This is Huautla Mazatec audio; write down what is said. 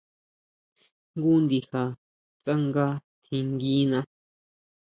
Jngu ndija tsanga tjinguina.